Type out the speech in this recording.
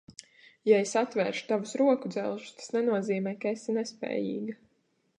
Ja es atvēršu tavus rokudzelžus, tas nenozīmē, ka esi nespējīga.